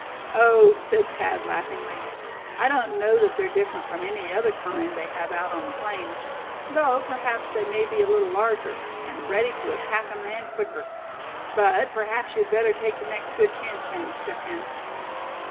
"Oh!" said Thad, laughingly; "I don't know that they're different from any other kind they have out on the plains; though perhaps they may be a little larger, and ready to attack a man quicker. But perhaps you'd better take the next good chance then, Step Hen."